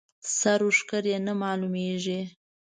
سر و ښکر یې نه معلومېږي.